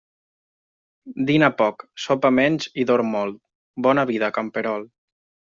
Dina poc, sopa menys i dorm molt, bona vida, camperol.